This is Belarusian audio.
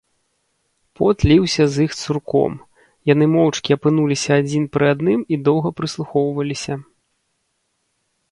Пот ліўся з іх цурком, яны моўчкі апынуліся адзін пры адным і доўга прыслухоўваліся.